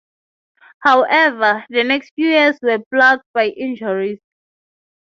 However, the next few years were plagued by injuries.